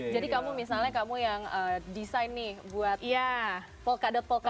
jadi kamu misalnya kamu yang desain nih buat polkadot polkadotnya